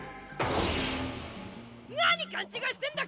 何勘違いしてんだ！